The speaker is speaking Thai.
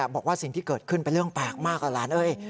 บอกว่าสิ่งที่เกิดขึ้นเป็นเรื่องแปลกมากล่ะหลานเอ้ย